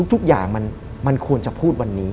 และไม่เคยเข้าไปในห้องมิชชาเลยแม้แต่ครั้งเดียว